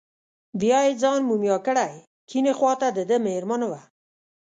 بیا یې ځان مومیا کړی، کیڼې خواته دده مېرمن وه.